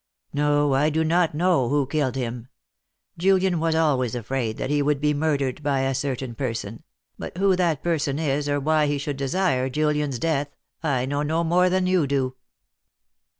"No, I do not know who killed him. Julian was always afraid that he would be murdered by a certain person; but who that person is, or why he should desire Julian's death, I know no more than you do."